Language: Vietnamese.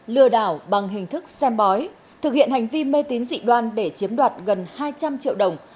lừa đảo bằng hình thức xem bói thực hiện hành vi mê tín dị đoan để chiếm đoạt gần hai trăm linh triệu đồng